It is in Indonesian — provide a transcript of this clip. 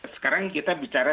sekarang kita bicara